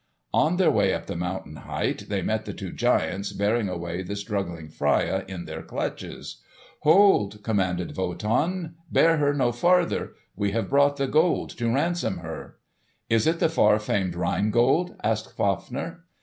On their way up the mountain height they met the two giants bearing away the struggling Freia in their clutches. "Hold!" commanded Wotan; "bear her no farther. We have brought the gold to ransom her." "Is it the far famed Rhine Gold?" asked Fafner.